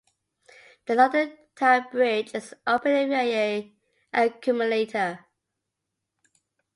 The London Tower Bridge is operated via an accumulator.